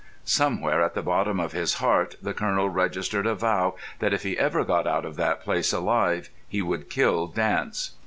Somewhere at the bottom of his heart the Colonel registered a vow that if he ever got out of that place alive he would kill Dance.